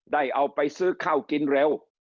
เอาไปซื้อข้าวกินเร็ว